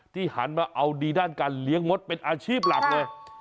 หันมาเอาดีด้านการเลี้ยงมดเป็นอาชีพหลักเลย